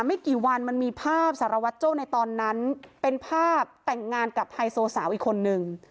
ไม่กี่วันมันมีภาพสารวัตรโจ้ในตอนนั้นเป็นภาพแต่งงานกับไฮโซสาวอีกคนนึง